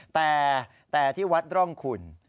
แต่ที่วัดร่องคุณ